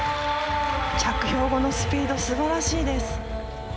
着氷後のスピード、すばらしいです。